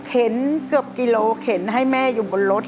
เกือบกิโลเข็นให้แม่อยู่บนรถ